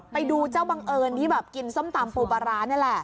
ไปดูเจ้าบังเอิญที่กินซ้ำตำปูปะลานี่แหละ